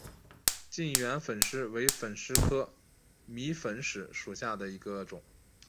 近圆粉虱为粉虱科迷粉虱属下的一个种。